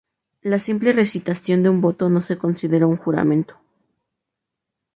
La simple recitación de un voto no se considera un juramento.